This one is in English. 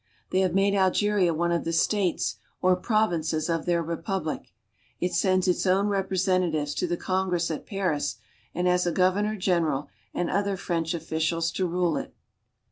They have made Algeria one of the states or provinces of their Republic. It sends its own representatives to the Congress at Paris and has a governor general and other French officials to rule it.